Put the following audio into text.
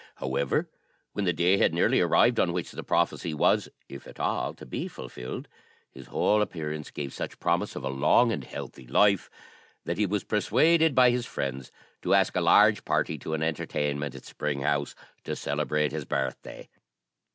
However, when the day had nearly arrived on which the prophecy was, if at all, to be fulfilled, his whole appearance gave such promise of a long and healthy life, that he was persuaded by his friends to ask a large party to an entertainment at Spring House, to celebrate his birthday.